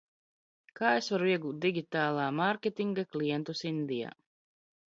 Kā es varu iegūt digitālā mārketinga klientus Indijā?